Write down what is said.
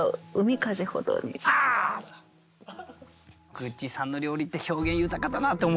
グッチさんの料理って表現豊かだなって思われますよね。